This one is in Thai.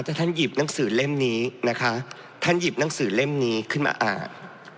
ถ้าท่านหยิบหนังสือเล่มนี้นะคะท่านหยิบหนังสือเล่มนี้ขึ้นมาอ่าน